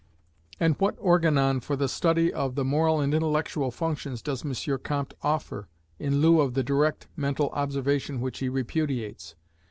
And what Organon for the study of "the moral and intellectual functions" does M. Comte offer, in lieu of the direct mental observation which he repudiates?